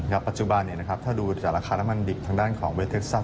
ปัจจุบันถ้าดูจากราคาน้ำมันดิบทางด้านของเวทเท็กซัส